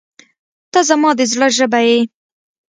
• ته زما د زړه ژبه یې.